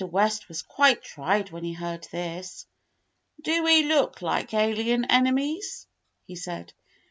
West was quite tried when he heard this. "Do we look like alien enemies.^" he said.